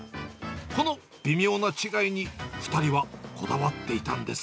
この微妙な違いに２人はこだわっていたんです。